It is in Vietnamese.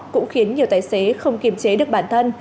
cũng khiến nhiều tài xế không kiềm chế được bản thân